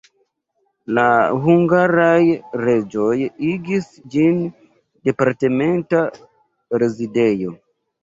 La hungaraj reĝoj igis ĝin departementa rezidejo.